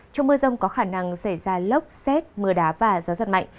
trong mưa rông có khả năng xảy ra lốc xét mưa đá và gió giật mạnh